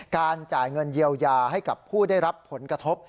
การจ่ายเงินเยียวยาให้กับผู้ได้รับผลกระทบ